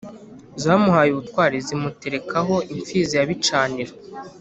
Zamuhaye ubutwar Zimuterekaho imfizi ya Bicaniro